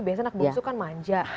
biasanya anak bung su kan manja